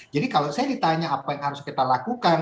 jadi kalau saya ditanya apa yang harus kita lakukan